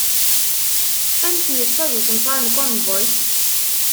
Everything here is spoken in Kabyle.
Amek yettaẓ usenfar n Common Voice?